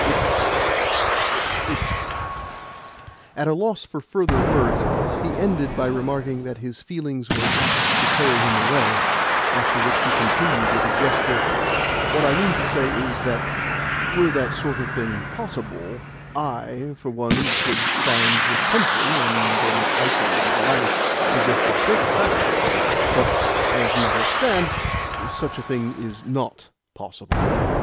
It, it " At a loss for further words, he ended by remarking that his feelings were apt to carry him away; after which he continued with a gesture: "What I mean is that, were that sort of thing possible, I, for one, could find the country and an isolated life possessed of great attractions. But, as matters stand, such a thing is NOT possible.